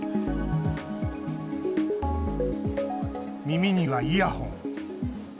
耳にはイヤホン。